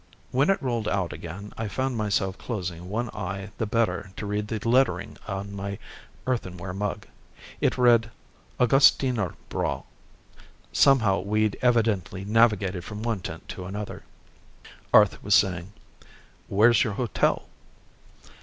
When it rolled out again, I found myself closing one eye the better to read the lettering on my earthenware mug. It read Augustinerbräu. Somehow we'd evidently navigated from one tent to another. Arth was saying, "Where's your hotel?"